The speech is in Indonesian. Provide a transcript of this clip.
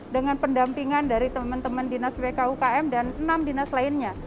dengan pendampingan dari teman teman dinas pkukm dan enam dinas lainnya